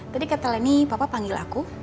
tadi ketel ini papa panggil aku